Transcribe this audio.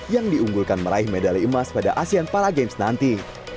yang diunggulkan meraih medali emas pada asean paragames nanti